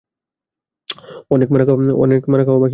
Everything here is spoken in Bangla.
অনেক মারা খাওয়া বাকী গুরু!